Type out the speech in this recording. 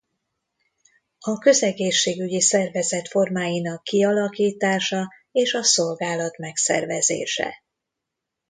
A közegészségügyi szervezet formáinak kialakítása és a szolgálat megszervezése.